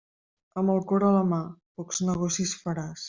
Amb el cor en la mà, pocs negocis faràs.